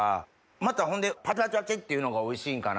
またほんでパチパチパチっていうのがおいしいんかなと思って。